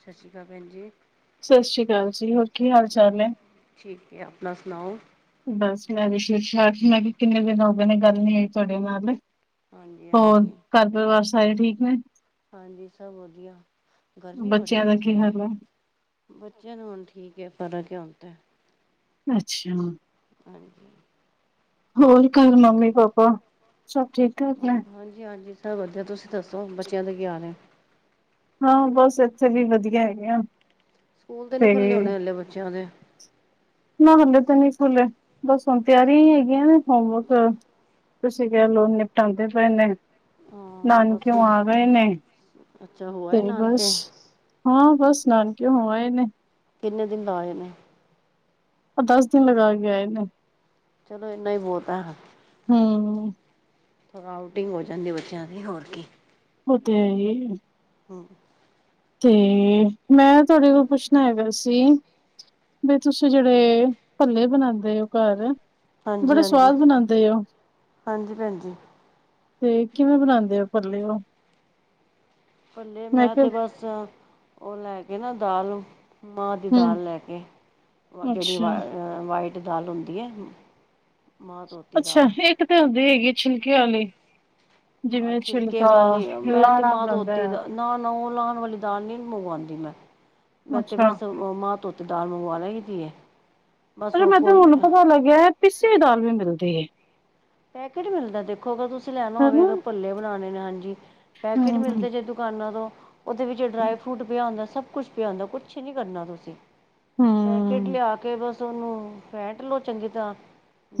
ਸਤਿ ਸ਼੍ਰੀ ਅਕਾਲ ਭੈਣ ਜੀ। ਸਤਿ ਸ੍ਰੀ ਅਕਾਲ ਜੀ, ਹੋਰ ਕੀ ਹਾਲ- ਚਾਲ ਐ? ਠੀਕ ਏ, ਆਪਣਾ ਸੁਣਾਓ? ਬਸ ਮੈਂ ਵੀ ਠੀਕ- ਠਾਕ, ਮੈਂ ਕਿਹਾ, ਕਿੰਨੇ ਦਿਨ ਹੋ ਗਏ ਨੇ ਗੱਲ ਨੀ ਹੋਈ ਤੁਹਾਡੇ ਨਾਲ। ਹਾਂਜੀ- ਹੋਰ ਹਾਂਜੀ, ਘਰ ਪਰਿਵਾਰ ਸਾਰੇ ਠੀਕ ਨੇ? ਹਾਂਜੀ ਸਭ ਵਧੀਆ। ਗਰਮੀ ਬੜੀ ਬੱਚਿਆਂ ਦਾ ਹੋਈ ਦੀ ਕੀ ਹੈ ਹਾਲ ਐ? ਬੱਚਿਆਂ ਨੂੰ, ਹੁਣ ਠੀਕ ਐ, ਫਰਕ ਏ ਹੁਣ ਤੇ। ਅੱਛਾ। ਹਾਂਜੀ। ਹੋਰ ਘਰ, ਮੰਮੀ -ਪਾਪਾ ਸਭ ਠੀਕ? ਠਾਕ ਨੇ? ਹਾਂਜੀ -ਹਾਂਜੀ ਸਬ ਵਧੀਆ, ਤੁਸੀ ਦੱਸੋ ਬੱਚੇਆਂ ਦੇ ਕੀ ਹਾਲ ਏ? ਹਾਂ ਬਸ, ਏਥੇ ਵੀ ਵਧੀਆ ਹੈਗੇ ਆਂ। ਸਕੂਲ ਤੇ ਨੀ ਖੁੱਲ੍ਹੇ ਹੋਣੇ ਹਲੇ ਬੱਚਿਆਂ ਦੇ? ਨਾ ਹਲੇ ਤੇ ਨੀ ਖੁੱਲੇ, ਬਸ ਹੁਣ ਤਿਆਰੀਆਂ ਈ ਹੈਗੀਆਂ ਨੇ ਹੋਮਵਰਕ ਤੁਸੀ ਕਿਹਾ, ਲਓ ਨਿਪਟਾਂਦੇ ਪਏ ਨੇ ਹਾਂ ਬਸ ਨਾਨਕੇਓਂ ਆ ਗਏ ਨੇ। ਅੱਛਾ ਹੋ ਤੇ ਆਏ ਬਸ, ਨਾਨਕੇ ਹਾਂ ਬਸ ਨਾਨਕਿਓ ਹੋ ਆਏ ਨੇ। ਕਿੰਨੇ ਦਿਨ ਲਾ ਆਏ ਨੇ? ਦਸ ਦਿਨ ਲਗਾ ਕੇ ਆਏ ਨੇ। ਚਲੋ ਏਨਾ ਈ ਬਹੁਤ ਐ। ਹੂੰ। ਥੋੜ੍ਹਾ ਆਊਟਿੰਗ ਹੋ ਜਾਂਦੀ ਬੱਚਿਆਂ ਦੀ, ਹੋਰ ਕੀ। ਓ ਤੇ ਹੈ ਈ ਏ। ਹੂੰ। ਤੇ, ਮੈਂ ਤੁਹਾਡੇ ਕੋ ਪੁੱਛਣਾ ਹੈਗਾ ਸੀ ਬਈ ਤੁਸੀ ਜਿਹੜੇ ਭੱਲੇ ਬਣਾਉਦੇ ਹੋ ਘਰ ਬੜੇ ਹਾਂਜੀ-ਹਾਂਜੀ, ਸਵਾਦ ਬਣਾਉਂਦੇ ਹੋ ਹਾਂਜੀ ਭੈਣ ਜੀ। ਤੇ ਕਿਵੇਂ ਬਣਾਂਦੇ ਓ ਭਲੇ ਓ? ਭੱਲੇ ਮੈਂ ਕਿਹਾ ਤੇ ਬਸ ਓ ਲੈ ਕੇ ਨਾ ਦਾਲ ਮਾਂਹ ਦੀ ਹਮ ਦਾਲ ਲੈ ਕੇ, ਜੇੜੀ ਅੱਛਾ ਵ-ਵਾਈਟ ਦਾਲ ਹੁੰਦੀ ਐ। ਅੱਛਾ। ਇੱਕ ਤੇ ਹੁੰਦੀ ਹੈਗੀ ਛਿਲਕੇ ਵਾਲੀ ਜਿਵੇਂ ਛਿਲਕੇ ਛਿਲਕਾ ਵਾਲੀ ਮੈਂ ਤਾਂ ਲਾਣਾ ਮਾਂਹ ਪੈਂਦੈ। ਧੋਤੀ ਦਾ ਨਾ ਨਾ ਓ ਲਾਣ ਵਾਲੀ ਦਾਲ ਨੀ ਮੰਗਵਾਂਦੀ ਮੈਂ। ਮੈਂ ਤੇ ਅੱਛਾ ਬਸ ਓ ਮਾਂਹ ਧੋਤੀ ਦਾਲ ਮੰਗਵਾ ਲਈ ਦੀ ਏ। ਪਰ ਮੈਂ ਤੇ ਹੁਨ ਪਤਾ ਲੱਗਿਆ ਪਿੱਸੀ ਹੋਈ ਦਾਲ ਵੀ ਮਿਲਦੀ ਏ। ਪੈਕੇਟ ਮਿਲਦਾ ਦੇਖੋ ਅਗਰ ਤੁਸੀ ਲੈਣਾ ਹੋਵੇ ਅਗਰ ਭੱਲੇ ਬਣਾਣੇ ਨੇ। ਹਾਂਜੀ। ਪੈਕੇਟ ਹਮ ਮਿਲਦੇ ਜੇ ਦੁਕਾਨਾਂ ਤੋਂ। ਓਦੇ ਵਿੱਚ ਡਰਾਈ ਹਮ ਫਰੂਟ ਪੇਆ ਹੁੰਦਾ‌। ਸਭ ਕੁਛ ਪੇਆ ਹੁੰਦਾ‌। ਕੁਛ ਨੀ ਕਰਨਾ ਤੁਸੀ। ਪੈਕੇਟ ਹਮ ਲਿਆ ਕੇ ਬਸ ਓਨੂੰ ਫੈਂਟ ਲਓ ਚੰਗੀ ਤਰ੍ਹਾਂ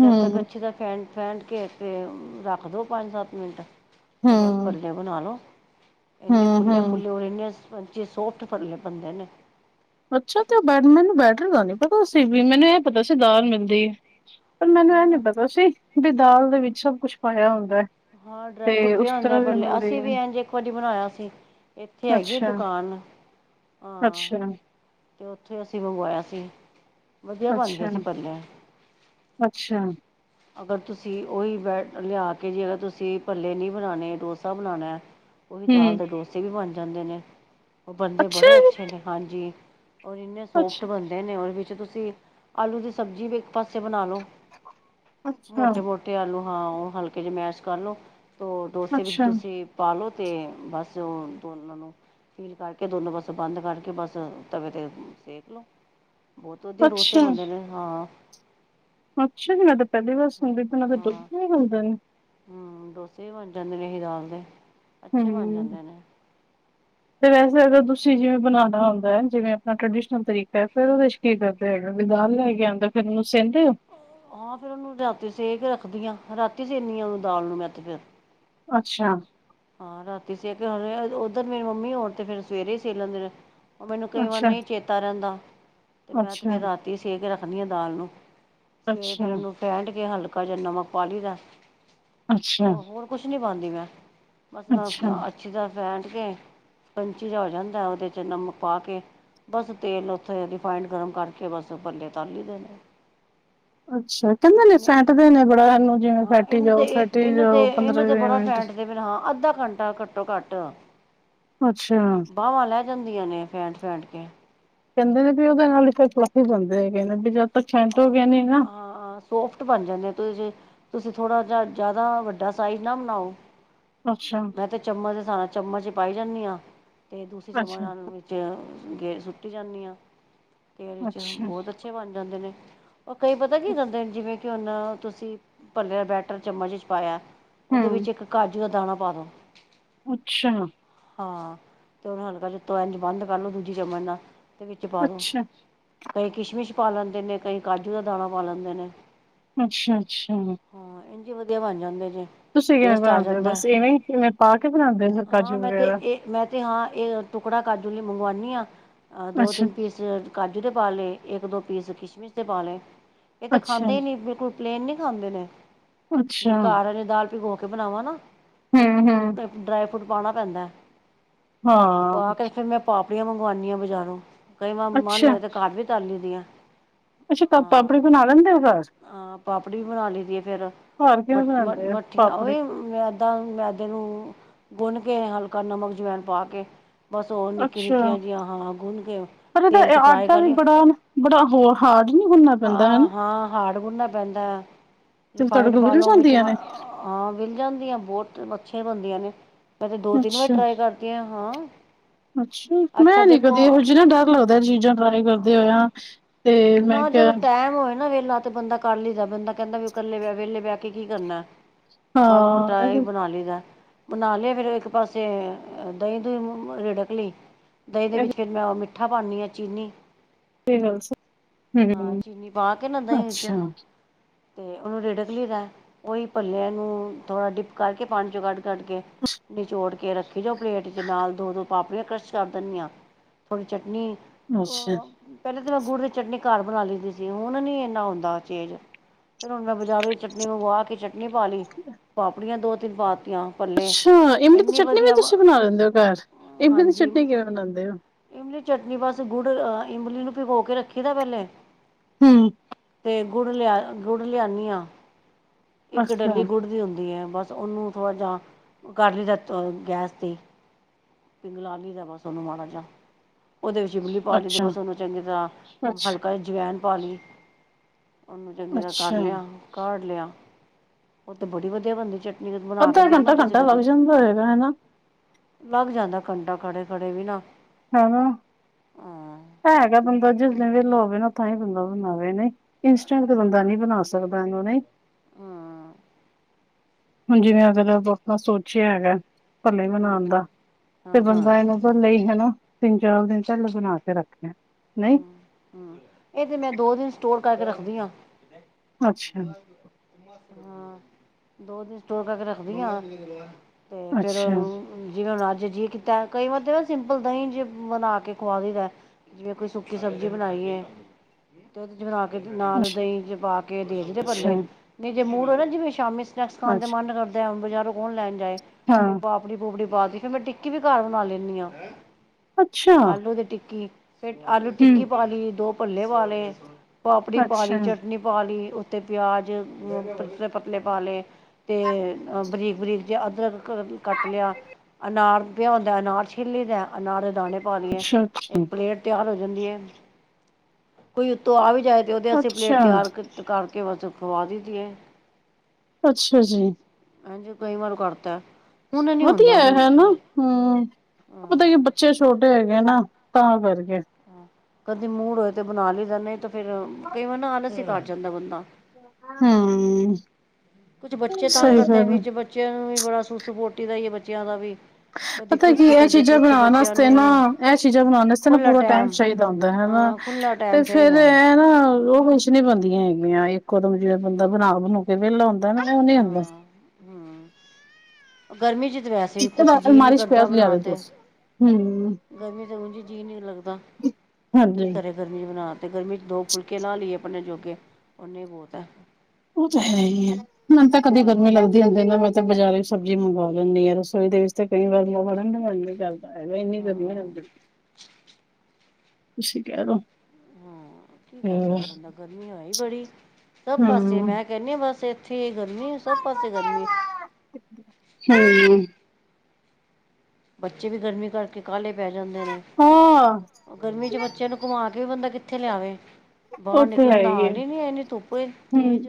ਜਦ ਤੱਕ ਅੱਛੀ ਤ ਫੈਂਟ-ਫੈਂਟ ਕੇ ਤੇ ਰੱਖ ਦੋ ਪੰਜ-ਸੱਤ ਮਿੰਟ ਤੇ ਬਸ ਹਮ ਭੱਲੇ ਬਣਾ ਲਓ। ਏਨੇ ਹਮ ਹਮ ਫੁੱਲੇ-ਫੁੱਲੇ ਹੋਏ, ਇੰਨੇ ਸਪੰਚੀ ਸੋਫਟ ਭੱਲੇ ਬਣਦੇ ਨੇ। ਅੱਛਾ। ਤੇ ਓ ਬੈ ਮੈਨੂੰ ਬੈਟਰ ਦਾ ਨੀ ਪਤਾ ਸੀ ਵੀ ਮੈਨੂੰ ਐ ਪਤਾ ਸੀ ਦਾਲ ਮਿਲਦੀ ਏ। ਪਰ ਮੈਨੂੰ ਹੈ ਐ ਨੀ ਨਾ ਪਤਾ ਸੀ ਵੀ ਦਾਲ ਦੇ ਵਿੱਚ ਸਭ ਕੁਛ ਪਾਇਆ ਹੁੰਦਾ ਐ। ਹਾਂ ਡਰਾਈ ਫਰੂਟ ਪੇਆ ਹੁੰਦਾ ਐ। ਪਲੇ ਅਸੀ ਹੈ ਵੀ ਏਂਝ ਏਕ ਵਾਰੀ ਬਣਾਇਆ ਸੀ। ਏਥੇ ਹੈਗੀ ਏ ਅੱਛਾ ਦੁਕਾਨ। ਹਅ ਅੱਛਾ ਤੇ ਔਥੇ ਅਸੀ ਮੰਗਵਾਇਆ ਸੀ। ਵਧੀਆ ਬਣ ਗਿਆ ਸੀ ਭੱਲੇ ਅੱਛਿਆ-ਅਛਿਆ। ਅਗਰ ਤੁਸੀ ਓਈ ਬੈ ਲਿਆ ਕੇ ਜੇ ਤੁਸੀ ਭੱਲੇ ਨੀ ਬਣਾਣੇ, ਡੋਸਾ ਬਣਾਣਾ ਐ। ਓਹੀ ਦਾਲ ਦੇ ਡੋਸੇ ਵੀ ਬਣ ਜਾਂਦੇ ਨੇ, ਓ ਬਣਦੇ ਅੱਛਾ ਜੀ ਬੜੇ ਅੱਛੇ ਨੇ। ਹਾਂਜੀ। ਔਰ ਏਨੇ ਸੋਫਟ ਅੱਛਾ ਬਣਦੇ ਨੇ, ਓਦੇ ਵਿੱਚ ਤੁਸੀ ਆਲੂ ਦੀ ਸਬਜ਼ੀ ਵੀ ਇੱਕ ਪਾਸੇ ਬਣਾ ਲੋ। ਅੱਛਾ ਮੋਟੇ-ਮੋਟੇ ਆਲੂ, ਹਾਂ ਓ ਹਲਕੇ ਜੇ ਮੈਸ਼ ਕਰ ਲਓ ਤੋ ਡੋਸੇ ਵਿੱਚ ਅੱਛਾ ਤੁਸੀ ਪਾਾਲੋ ਤੇ ਬਸ ਉਹ ਦੋਨਾਂ ਨੂੰ ਫੀਲ ਕਰਕੇ, ਦੋਨੋ ਪਾਸੋ ਬੰਦ ਕਰਕੇ ਬਸ ਤਵੇ ਤੇ ਸੇਕ ਲੋ‌। ਬਹੁਤ ਵਧੀਆ ਡੋਸੇ ਅੱਛਾ ਬਢਦੇ ਨੇ, ਹਾਂ। ਅੱਛਾ ਜੀ। ਮੈਂ ਤਾਂ ਪਹਿਲੀ ਵਾਰ ਸੁਣਦੀ ਤੇ ਨਾ ਤਾਂ ਡੋਸਾ ਵੀ ਹੁੰਦਾ ਨੇ। ਹਾਂ, ਡੋਸੇ ਵੀ ਬਣ ਜਾਂਦੇ ਨੇ ਏਹ ਦਾਲ ਦੇ ਅੱਛੇ ਬਣ ਹਮ। ਜਾਂਦੇ ਨੇ ਤੇ ਵੈਸੇ ਅਗਰ ਤੁਸੀਂ ਜਿਵੇਂ ਬਣਾਉਣਾ ਹੁੰਦੈ, ਜਿਵੇਂ ਆਪਣਾ ਟਰਡੀਸ਼ਨਲ ਤਰੀਕਾ ਫਿਰ ਉਹਦੇ ਚ [unintelligible] ਆਉਂਦਾ, ਫੇਰ ਉਹਨੂੰ ਸਹਿੰਦੇ ਓ? ਹਾਂ, ਫੇਰ ਉਹਨੂੰ ਰਾਤੀ ਸੇ ਕੇ ਰੱਖਦੀ ਆ, ਰਾਤੀ ਸੇਨੀ ਹ ਉਹਨੂੰ ਦਾਲ ਨੂੰ ਮੈਂ ਤੇ ਫਿਰ ਅੱਛਾ‌। ਹਾਂ ਰਾਤੀ ਸੇ ਕੇ ਹ, ਉਧਰ ਮੇਰੀ ਮੰਮੀ ਆਣ ਤੇ ਫੇਿਰ ਸਵੇਰੇ ਈ ਸੇ ਲੈਂਦੇ ਨੇਂ। ਉਹ ਮੈਨੂੰ ਕਈ ਵਾਰ ਅੱਛਾ ਨਹੀਂ ਚੇਤਾ ਰਹਿੰਦਾ ਤੇ ਮੈਂ ਤੇ ਅੱਛਾ ਫਿਰ ਰਾਤੀ ਸੇ ਕੇ ਰੱਖਦੀ ਹ ਦਾਲ ਨੂੰ। ਤੇ ਅੱਛਾ, ਫੇਿਰ ਉਹਨੂੰ ਫੈਟ ਕੇ ਹਲਕਾ ਜ ਨਮਕ ਪਾ ਲੀ ਦਾ। ਅੱਛਾ, ਹੋਰ- ਹੋਰ। ਕੁੱਛ ਨੀ ਪਾਉਂਦੀ ਮੈਂ। [unintelligible] ਅੱਛਾ। ਅੱਛੀ ਤਰ੍ਹਾਂ ਫੈਂਟ ਕੇ ਕੰਚੀ ਹੋ ਜਾਂਦੈ, ਉਹਦੇ ਚ ਨਮਕ ਪਾ ਕੇ ਬਸ ਤੇਲ ਉਓਥੇ ਰਿਫਾਈਡ ਗਰਮ ਕਰਕੇ ਬਸ ਬੱਲੇ ਤਾਲੀ ਦੇਣੇ। [inaudible] ਅੱਛਾ ਕਹਿੰਦੇ ਨੇ ਫੈਟਦੇ ਨੇ ਬੜਾ ਸੂੰ ਜਿਵੇਂ ਹਾਂ ਫੈਟੀ ਇਹਨੂੰ ਜਾਓ, ਤੇ ਫੈਟੀ ਇਹਨੂੰ ਜਾਓ ਤੇ ਇਹਨੂੰ ਪੰਦਰਾਂ-ਵੀਹ ਮਿੰਟ‌ ਤੇ ਫਿਰ ਹਾਂ ਅੱਧਾ ਘੰਟਾ ਘੱਟੋ-ਘੱਟ। ਅੱਛਾ ਬਾਹਵਾਂ ਲੈ ਜਾਂਦੀਆਂ ਨੇ ਫੈਂਟ-ਫੈਂਟ ਕੇ‌। ਕਹਿੰਦੇ ਨੇ ਵੀ ਉਹਦੇ ਨਾਲ ਇੱਕ ਪਲਫੀ ਬਣਦੇ ਹੈਗੇ ਨੇ, ਵੀ ਜਦ ਤੱਕ ਫੈਟੋਗੇ ਨੀ ਨਾ ਹਾਂ- ਹਾਂ ਸੋਫਟ ਬਣ ਜਾਂਦੇ, ਤੁਸੀਂ ਥੋੜ੍ਹਾ ਜਿਹਾ ਜ਼ਿਆਦਾ ਵੱਡਾ ਸਾਈਜ਼ ਨਾ ਬਣਾਓ। ਅੱਛਾ। ਮੈਂ ਤੇ ਚਮਚ ਸ ਚਮਚ ਚ ਪਾਈ ਜਾਂਦੀ ਆਂ ਤੇ ਦੂਸਰੀ ਚਮਾ ਅੱਛਾ, ਨਾਲ ਗੇ ਸੁੱਟੀ ਜਾਂਨੀ ਆਂ ਘਰੇ ਚ ਅੱਛਾ ਬਹੁਤ ਅੱਛੇ ਬਣ ਜਾਂਦੇ ਨੇ। ਉਹ ਕਈ ਪਤਾ ਕੀ ਕਦੇ ਨੇ ਜਿਵੇਂ, ਕਿ ਹੁਣ ਤੁਸੀਂ ਪਲੇ ਦਾ ਬੈਟਰ ਚਮਚ ਚ ਪਾਇਆ ਉਹਦੇ ਹੂੰ ਵਿੱਚ ਇੱਕ ਕਾਜੂ ਦਾ ਦਾਣਾ ਪਾ ਦੋ। ਅੱਛਾ। ਹਾਂ ਤੇ ਉਹਨੂੰ ਹਲਕਾ ਜਿਹਾ ਉਤੋ ਇੰਜ ਬੰਦ ਕਰਲੋ, ਦੂਜੀ ਚਮਚ ਨਾਲ ਦੇ ਵਿੱਚ ਪਾ ਦੋ ਅੱਛਾ, ਕਈ ਕਿਸ਼ਮਿਸ਼ ਪਾ ਲੈਂਦੇ ਨੇ, ਕਈ ਕਾਜੂ ਦਾ ਦਾਣਾ ਪਾ ਲੈਂਦੇ ਨੇ। ਅੱਛਾ -ਅੱਛਾ। ਹਾਂ ਇੰਝ ਵਧੀਆ ਬਣ ਜਾਂਦੇ ਜੇ। ਤੁਸੀਂ ਕਿਵੇਂ ਟੇਸਟ ਆ ਬਣਾਉਂਦੇ ਹੋ, ਜਾਂਦਾ ਬਸ ਇਵੇਂ ਕਿਵੇਂ ਪਾ ਕੇ ਬਣਾਉਂਦੇ ਹੋ ਹਾਂ ਕਾਜੂ ਮੈਂ ਤਾਂ ਵਗੈਰਾ ਇਹ ਮੈਂ ਤੇ ਹਾਂ ਇਹ ਟੁਕੜਾ ਕਾਜੂ ਲਈ ਮੰਗਵਾਉਾਨਣੀ ਆਂ, ਅਹ ਦੋ ਅੱਛਾ। ਤਿੰਨ ਪੀਸ ਕਾਜੂ ਦੇ ਪਾ ਲਏ, ਇੱਕ ਦੋ ਪੀਸ ਕਿਸ਼ਮਿਸ਼ ਦੇ ਪਾ ਲਏ, ਇਹ ਤਾਂ ਅੱਛਾ, ਖਾਂਦੇ ਹੀ ਨਹੀਂ ਬਿਲਕੁਲ। ਪਲੇਨ ਨੀ ਖਾਂਦੇ ਨੇ ਜੇ ਅੱਛਾ ਹੂੰ, ਘਰ ਵਾਲੀ ਦਾਲ ਭਿਗੋ ਕੇ ਬਣਾਵਾਂ ਨਾ ਫੇਿਰ ਮੈਨੂੰ ਹੂੰ ਡਰਾਈ ਫਰੂਟ ਪਾਉਣਾ ਪੈਂਦਾ ਪਾ ਹਾਂ ਕੇ ਫੇਿਰ ਮੈਂ ਪਾਪੜੀਆਂ ਮੰਗਵਾਨੀ ਆ ਬਜ਼ਾਰੋਂ, ਕਈ ਵਾਰ ਮਨ ਅੱਛਾ, ਹੋਏ ਤਾਂ ਘਰ ਵੀ ਤਰ ਲਈ ਦੀਆਂ। ਅੱਛਾ ਕ ਪਾਪੜੀ ਹਾਂ ਬਣਾ ਲੈਂਦੇ ਹੋ ਘਰ? ਹਾਂ ਪਾਪੜੀ ਵੀ ਬਣਾ ਲਈ ਦੀ ਫੇਿਰ ਘਰ ਮ ਕਿਵੇਂ ਮ ਬਣਾਉਂਦੇ ਆ ਮੱਠੀਆਂ ਪਾਪੜੀ ਉਹਹੀ ਮੈਦਾ ਮੈਦੇ ਨੂੰ ਗੁੰਨ ਕੇ ਹਲਕਾ ਨਮਕ ਜਵਾਣ ਪਾ ਕੇ ਬਸ ਹੋ ਨਿੱਕੀਆਂ ਅੱਛਾ ਨਿੱਕੀਆਂ ਜਿਹੀਆਂ ਹਾਂ ਗੁੰਨ ਕੇ ਪਰ ਇਹਦਾ ਤੇਲ ਚ ਫਰਾਈ ਆਟਾ ਕਰ ਵੀ ਲਿਓ ਬੜਾ ਬੜਾ ਹੋ ਹਾਰਡ ਨੀ ਹੁੰਨਾ ਪੈਂਦਾ ਹਨਾ। ਹਾਂ ਹਾਰਡ ਗੁਨਣਾ ਪੈਂਦਾ ਤੇ ਤੁਹਾਡੇ ਰਿਫਾਇੰਡ ਕੋਲ ਮਿਲ ਪਾਲੋ ਵਿੱਚ ਜਾਂਦੀਆਂ ਨੇ ਹਾਂ ਵਿਲ ਜਾਂਦੀਆਂ ਬਹੁਤ ਅੱਛੀਆਂ ਬਣਦੀਆਂ ਨੇ ਮੈਂ ਤੇ ਦੋ ਤਿੰਨ ਵਾਰੀ ਅੱਛਾ ਟਰਾਈ ਕਰੱ ਕਿ ਹਾਂ ਅੱਛਾ, ਅੱਛਾ ਮੈਂ ਨੀ ਦੇਖੋ ਕਦੇ ਇਹ ਚੀਜਾਂ ਡਰ ਲੱਗਦਾ ਚੀਜ਼ਾਂ ਟਰਾਈ ਕਰਦੇ ਹਾਂ ਹੋਇਆ। ਤੇ ਮੈਂ ਨਾ ਜਦੋਂ ਕਿਹਾ ਟੈਮ ਹੋਏ ਨਾ ਵੇਹਲਾ ਬੰਦਾ ਕਰ ਲਈਦਾ ਬੰਦਾ ਕਹਿੰਦਾ ਵੀ ਇਕੱਲੇ ਵਿਹਲੇ ਬਹਿ ਕੇ ਕੀ ਕਰਨਾ। ਮਾੜਾ ਮੋਟਾ ਹਾਂ ਇਹਹੀ ਇਹ ਬਣਾ ਲਈਦਾ। ਬਣਾ ਲਿਆ ਫੇਿਰ ਇੱਕ ਪਾਸੇ ਦਹੀਂ- ਦੁਹੀਂ ਰਿੜਕ ਲਈ ਦਹੀਂ ਦੇ ਵਿੱਚ ਫਿਰ ਮੈਂ ਉਹ ਮਿੱ ਮਿੱਠਾ ਪਾਨੀਹਾਂ ਚੀਨੀ ਤੇ ਗੱਲਸ [inaudible] ਹਾਂ, ਚੀਨੀ ਪਾ ਕੇ ਨਾ ਦਹੀਂ ਅੱਛਾ ਵਿੱਚ ਤੇ ਉਹਨੂੰ ਰਿੜਕ ਲਈਦਾ, ਉਹੀ ਪੱਲਿਆਂ ਨੂੰ ਥੋੜਾ ਡਿਪ ਕਰਕੇ ਪਾਣੀ ਚੋਂ ਕੱਢ ਕੱਢ ਕੇ ਨਿਚੋੜ ਕੇ ਕੇ ਰੱਖੀ ਜਾਓ ਪਲੇਟ ਚ ਨਾਲ ਦੋ ਦੋ ਪਾਪੜੀਆਂ ਕਰਸ਼ ਕਰ ਦਿੰਦੀ ਹ ਥੋੜ੍ਹੀ ਚਟਨੀ ਅੱਛਾ! ਪਹਿਲੇਾਂ ਤਾਂ ਮੈਂ ਗੁੜ ਦੀ ਚਟਨੀ ਘਰ ਬਣਾ ਲੈਂਦੀ ਸੀ, ਹੁਣ ਨੀ ਇਨਾ ਹਉਂਦਾ ਉਚੇਚ ਫਿਰ ਹੁਣ ਮੈਂ ਬਾਜ਼ਾਰੋ ਚਟਨੀ ਮੰਗਵਾ ਕੇ ਚਟਨੀ ਪਾ ਲਈ, ਪਾਪੜੀਆਂ ਦੋ ਤਿੰਨ ਪਾਤੀਆਂ। ਭੱਲੇ ਅੱਛਾ। ਇਮਲੀ ਦੀ ਇੰਨੀ ਚਟਨੀ ਵੀ ਵਧੀਆ ਤੁਸੀਂ ਬਣਾ ਲਿੰਦੇ ਹੋ ਘਰ ਇਮਲੀ ਦੀ ਹਾਂਜੀ ਚਟਨੀ ਕਿਵੇਂ ਬਣਾਉਂਦੇ ਹੋ? ਇਮਲੀ ਚਟਨੀ ਬਸ ਗੁੜ ਅਹ ਇਮਲੀ ਨੂੰ ਭਿਗੋ ਕੇ ਰੱਖੀ ਦਾ ਪਹਿਲੇ ਹਮ [inaudible] ਤੇ ਗੁੜ ਲਿਆ ਗੁੜ ਲਿਆਦੀ ਹਾਂ ਇੱਕ ਅੱਛਾ ਡੱਲੀ ਗੁੜ ਦੀ ਹੁੰਦੀ ਹੈ ਬਸ ਉਹਨੂੰ ਥੋੜ੍ਹਾ ਜਿਹਾ ਕੱਰ ਲਈਦਾ ਗੈਸ ਤੇ ਪਿੰਗਲਾ ਲਈ ਬਸ ਉਹਨੂੰ ਮਾੜਾ ਜਿਹਾ, ਉਹਦੇ ਵਿੱਚ ਇਮਲੀ ਪਾਲਈ ਦਾ ਅੱਛਾ ਬਸ ਉਹਨੂੰ ਚੰਗੀ ਤਰ੍ਹਾਂ ਅੱਛਾ ਕਦੇ ਅਜਵੈਨ ਪਾ ਲਈ ਉਹਨੂੰ ਚੰਗੀ ਤਰ੍ਹਾਂ ਕਰ ਅੱਛਾ ਲਿਆ ਕਾੜ ਲਿਆ ਉਹ ਤੇ ਬੜੀ ਵਧੀਆ ਬੰਨਦੀ ਚੱਟ ਅੱਧਾ ਘੰਟਾ, ਘੰਟਾ ਲੱਗ ਜਾਂਦਾ ਹੈਏਗਾ ਹਨਾ। ਲੱਗ ਜਾਂਦਾ ਘੰਟਾ ਖੜੇ-ਖੜੇ ਵੀ ਨਾ ਹੈਨਾ ਹਾਂ ਐ ਹੈਗੈ ਬੰਦਾ ਜਿਸ ਦਿਨ ਵੇਲਾ ਹੋਵੇ ਨਾ ਤਾਇ ਬੰਦਾ ਬਣਾਵੇ ਨਹੀਂ। ਇੰਸਟੈਂਟ ਤੇ ਬੰਦਾ ਨਹੀਂ ਬਣਾ ਸਕਦਾ ਇਹੂੰ ਨਹੀਂ। ਹਾਂ। ਹੁਣ ਜਿਵੇਂ ਅਗਰ ਆਪਾਂ ਸੋਚਿਆ ਹੈਗਾ। ਭਲੇ ਹਾਂ ਮਨਾਉਣ ਦਾ ਤੇ ਹਾਂ ਹਾਂ ਹਾਂ ਬੰਦਾ ਇਹਨੂੰ ਭੱਲੇ ਹੀ ਹਨਾ। ਤਿੰਨ-ਚਾਰ ਦਿਨ ਪਹਿਲੇ ਬਣਾ ਕੇ ਰੱਖੇ ਲੇ ਨਹੀਂ। ਹੂੰ ਇਹ ਤੇ ਮੈਂ ਦੋ ਦਿਨ ਸਟੋਰ ਕਰਕੇ ਰੱਖਦੀ ਆ। ਅੱਛਾ। ਹਾਂ ਦੋ ਦਿਨ ਸਟੋਰ ਕਰਕੇ ਰੱਖਦੀ ਹਾਂ ਤੇ ਫੇਰ ਅੱਛਾ ਜਿਵੇਂ ਹੁਣ ਆਜ ਜੀ ਕੀਤਾ ਕਈ ਵਾਰ ਜਿਵੇ ਸਿੰਪਲ ਦਹੀਂ ਜ ਬਣਾ ਕੇ ਖੁਆਦੀਦਾ। ਜਿਵੇਂ ਕੋਈ ਸੁੱਕੀ ਸਬਜ਼ੀ ਬਣਾਈ ਐ ਤੇ [unintelligible] ਬਣਾ ਕੇ ਨਾਲ ਦਹੀਂ ਚ ਪਾ ਕੇ ਦੇ ਦਿਤੇ ਅੱਛਾ ਪੱਲੇ ਨ ਜੇ ਮੂੜ ਹੋ ਨਾ ਜਿਵੇਂ ਸ਼ਾਮੀ ਸਨੈਕਸ ਖਾਣ ਦਾ ਅੱਛਾ ਮਨ ਕਰਦਾ, ਬਜ਼ਾਰੋਂ ਕੌਣ ਲੈਣ ਜਾਏ ਫੇਰ ਹਾਂ ਪਾਪੜੀ ਪੂਪੜੀ ਪਾ ਤ ਫੇਰ ਮੈਂ ਟਿੱਕੀ ਵੀ ਘਰ ਬਣਾ ਲੈਂਦੀ ਆ ਅੱਛਾ ਆਲੂ ਦੀ ਟਿੱਕੀ। ਫਿਰ ਆਲੂ ਟਿੱਕੀ ਹਮ ਪਾ ਲਈ, ਦੋ ਭੱਲੇ ਪਾ ਲਏ, ਪਾਪੜੀ ਪਾ ਅੱਛਾ ਲਈ ਚਟਨੀ ਪਾ ਲਈ ਉੱਤੇ ਪਿਆਜ਼ ਪਤਲੇ-ਪਤਲੇ ਪਾ ਲਏ ਤੇ ਬਰੀਕ-ਬਰੀਕ ਜੇ ਅਦਰਕ ਕੱਟ ਲਿਆ, ਅਨਾਰ ਪਿਆ ਹੁਂਦਾ ਅਨਾਰ ਛਿੱਲ ਲਈ ਦਾ ਅਨਾਰ ਦਾਣੇ ਪਾ ਲਈਏ ਅੱਛਾ ਇੱਕ ਪਲੇਟ ਤਿਆਰ ਹੋ ਜਾਂਦੀ ਹੈ, ਕੋਈ ਉੱਤੋਂ ਆ ਵੀ ਜਾਵੇ ਤੇ ਉਹਦੇ ਅੱਛਾ ਵਾਸੇ ਪਲੇਟ ਅੱਛਾ ਤਿਆਰ ਕਰਕੇ ਬਸ ਖਵਾ ਦਿਦੀ ਏ। ਅੱਛਾ ਜੀ। ਐਜਕਈ ਵਾਰ ਕਰਤੈ। ਵਧੀਐ ਹੈ ਨਾ। ਹੂੰ, ਪਤਾ ਕੀ ਹਾਂ ਬੱਚੇ ਛੋਟੇ ਹੈਗੇ ਨਾ ਤਾਂ ਕਰਕੇ। ਕਦੇ ਮੂੜ ਹੋਏ ਤੇ ਬਣਾ ਲਈਦਾ, ਨਹੀਂ ਤੇ ਫੇਰ ਕਈ ਵਾਰ ਨਾ ਆਲਸ ਹੀ ਕਰ ਜਾਂਦੈ ਬੰਦਾ। ਹੂੰ। ਕੁਛ ਬੱਚੇ ਤੰਗ ਕਰਦੇ, ਵਿੱਚ ਬੱਚਿਆਂ ਨੂੰ ਵੀ ਬੜਾ ਸੁ ਸਪੋਟੀ ਦਾ ਈ ਏ ਬੱਚਿਆਂ ਦਾ ਵੀ ਕਦੀ ਪਤਾ ਕੀ ਕੁਛ ਇਹ ਕਦੀ ਚੀਜ਼ਾਂ ਕੁਛ ਬਨਾਣ ਬੱਚਿਆਂ ਵਾਸਤੇ ਨਾ ਨੂੰ ਇਹ ਚੀਜ਼ਾਂ ਬਨਾਣ ਵਾਸਤੇ ਨਾ ਪੂਰਾ ਟਾਈਮ ਚਾਹੀਦਾ ਹੁੰਦਾ ਹੈਨਾ। ਹਾਂ ਖੁੱਲਾ ਤੇ ਟਾਈਮ ਫੇਰ ਚਾਹੀਦਾ ਇਹ ਹੈ। ਨਾ ਉਹ [inaudible] ਨ ਬਣਦੀਆਂ ਹੈਗੀਆਂ, ਇੱਕੋਦਮ ਜਿਵੇਂ ਬੰਦਾ ਬਣਾ ਬਣੂ ਕੇ ਵੇਲਾ ਹੁੰਦਾ ਨਾ ਉਹ ਨੀ ਹੁੰਦਾ। ਹਾਂ ਹੂੰ ਗਰਮੀ ਚ ਤੇ ਵੈਸੇ ਵੀ ਇੱਕ ਕੁਛ ਤਾਂ ਜੀਅ ਨੀ ਅਲਮਾਰੀ ਚ ਪਿਆ ਕਰਦਾ ਲਿਆ ਦੇ ਬਨਾਨ ਤੇ ਤੁਸੀਂ ਹਮ ਗਰਮੀ ਤੇ ਉਜ ਜੀਅ ਨੀ ਲੱਗਦਾ ਕੀ ਹਾਂਜੀ ਕਰੇ। ਗਰਮੀ ਚ ਬਣਾ ਤੇ ਗਰਮੀ ਚ ਦੋ ਫੁਲਕੇ ਲਾ ਲਈਏ ਅਪਣੇ ਜੋਗੇ ਉਹਨੇ ਬਹੁਤ ਹੈ। ਉਹ ਤਾਂ ਹੈ ਹੀ ਹੈ ਮੇਨਤੇ ਇਹ ਤੇ ਕਦੇ ਬੰ ਗਰਮੀ ਲੱਗਦ ਨਾ ਮੈਂ ਤਾਂ ਬਾਜ਼ਾਰ ਸਬਜ਼ੀ ਮੰਗਵਾ ਲੈਂਣੀ ਆ ਰਸੋਈ ਵਿੱਚ ਤੇ ਕਈ ਵਾਰੀ ਵੜਣ ਦਾ ਮੰਨੀ ਕਹਦੈ। ਐ ਨਹੀਂ ਕਰ ਹਾਂ [inaudible] ਤੁਸੀਂ ਕੈਹ ਦੋ ਹਾਂ ਕੀ ਕਰ ਸਕਦਾ ਬੰਦਾ ਗਰਮੀ ਹੋਈ ਬੜੀ। ਸਭ ਪਾਸੇ ਹਮ ਮੈਂ ਕੈਹਨੀ ਆ ਬਸ ਇੱਥੇ ਗਰਮੀ ਸਭ ਪਾਸੇ ਗਰਮੀ। ਹੂੰ ਬੱਚੇ ਵੀ ਗਰਮੀ ਕਰਕੇ ਕਾਲੇ ਪੈ ਜਾਂਦੇ ਨੇ। ਹਾਂ ਗਰਮੀ ਚ ਬੱਚਿਆਂ ਨੂੰ ਘੁਮਾ ਕੇ ਵੀ ਬੰਦਾ ਕਿੱਥੇ ਲਿਆਵੇ। ਉਹ ਬਾਰ ਤੇ ਨਿਕਲਣ ਹੈ ਦਾ ਹੀ ਹੈ ਹਾਲ ਈ ਨੀਂ ਐ ਐਨੀਂ ਧੁੱਪ ਏ ਹਮ ਤੇਜ।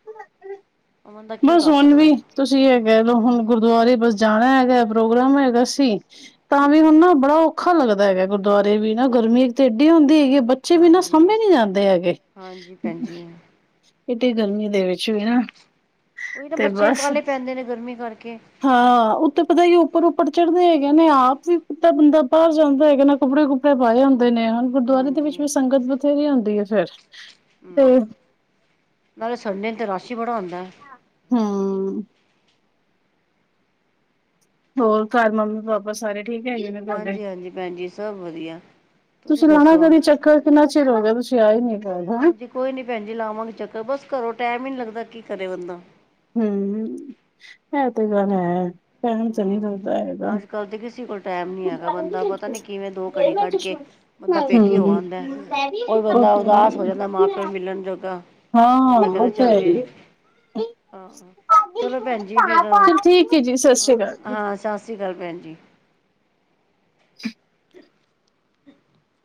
[unintelligible] ਬੰਦਾ ਕੀ ਬਸ ਕਰ ਹੁਣ ਸਕਦਾ ਵੀ ਤੁਸੀਂ ਐ ਕੈਅ ਲੋ, ਹੁਣ ਗੁਰਦੁਆਰੇ ਬਸ ਜਾਣਾ ਹੈਗਾ ਪ੍ਰੋਗਰਾਮ ਹੈਗਾ ਸੀ। ਤਾਂ ਵੀ ਹੁਣ ਨਾ ਬੜਾ ਔਖਾ ਲੱਗਦਾ ਹੈਗਾ, ਗੁਰਦੁਆਰੇ ਵੀ ਨਾ ਗਰਮੀ ਤੇ ਏਡੀ ਹੁੰਦੀ ਹੈਗੀ ਐ ਬ ਬੱਚੇ ਵੀ ਨਾ ਹਾਂਜੀ ਸਾਂਭੇ ਨੀਂ ਜਾਂਦੇ ਹੈਗੇ, ਹਾਂਜੀ ਭੈਣ ਜੀ ਏਡੀ ਗਰਮੀ ਦੇ ਵਿੱਚ ਵੀ ਨਾ ਓਈ ਤੇ ਬੱਚੇ ਕਾਲੇ ਪੈਂਦੇ ਨੇ, ਗਰਮੀ ਕਰਕੇ। ਹਾਂ, ਉਤੋਂ ਪਤਾ ਈ ਉੱਪਰ-ਉੱਪਰ ਚੜ੍ਹਦੇ ਹੈਗੇ ਨੇ ਆਪ ਵੀ ਇਤਾਂ ਬੰਦਾ ਬਾਰ ਜਾਂਦਾ ਹੈਗਾ ਨਾ ਕੱਪੜੇ-ਕੁਪ ਪਾਏ ਹੁੰਦੇ ਨੇ ਹੁਣ ਗੁਰਦੁਆਰੇ ਦੇ ਵਿੱਚ ਹਾਂਜੀ ਵੀ ਸੰਗਤ ਬਥੇਰੀ ਹੁੰਦੀ ਐ, ਫਿਰ ਤੇ ਹਮ ਨਾਲੇ ਸੰਡੇ ਨੂੰ ਤੇ ਰਸ਼ ਈ ਬੜਾ ਹੁੰਦਾ। ਹਂ। ਹੋਰ ਘਰ ਮੰਮੀ ਪਾਪਾ ਸਾਰੇ ਠੀਕ ਹੈਗੇ ਨੇ। ਤੁਹਾਡੇ ਹਾਂਜੀ ਹਾਂਜੀ, ਭੈਣ ਜੀ ਸਭ ਵਧੀਆ। ਤੁਸੀਂ ਲਾਣਾ ਦੱਸੋ? ਕਦੀ ਚੱਕਰ ਕਿੰਨਾ ਚਿਰ ਹੋ ਗਿਆ ਤੁਸੀਂ ਆਏ ਨੀ ਘਰ। ਹਾਂ ਹਾਂਜੀ ਕੋਈ ਨੀ ਭੈਣ ਜੀ ਲਾਵਾਂਗੇ ਚੱਕਰ, ਬਸ ਘਰੋਂ ਟੈਮ ਈ ਨੀਂ ਲੱਗਦਾ ਕੀ ਕਰੇ ਬੰਦਾ। ਹਂ, ਏ ਤੇ ਗੱਲ ਹੈ, ਟੈਮ ਤੇ ਨੀਂ ਲਗਦਾ ਹੈਗਾ। ਕਰਦੇ ਪੇ ਸੀ ਗੜ [inaudible] [unintelligible] ਘੜੀ ਕੱਢ ਕੇ ਬੰਦਾ ਪੇਕੇ ਹੋ ਆਂਦਾ ਕੋਈ ਬੰਦਾ ਉਦਾਸ ਹੋ ਜਾਂਦਾ ਮਾਂ ਪਿਓ ਨੂੰ ਮਿਲਣ ਜੋਗਾ ਹਾਂ, ਹਾਂ, ਓ ਤੇ ਹੈ ਈ ਏ। ਆਹ ਚਲੋ ਭੈਣ ਜੀ ਫੇਰ, ਚਲ ਠੀਕ ਹੈ ਜੀ, ਸਤਿ ਸ੍ਰੀ ਅਕਾਲ। ਹਾਂ ਸਾਸ ਸਤਿ ਸ੍ਰੀ ਕਾਲ ਭੈਣਜੀ। [inaudible]